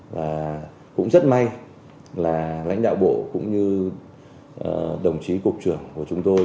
và cũng rất may là lãnh đạo bộ cũng như đồng chí cục trưởng của chúng tôi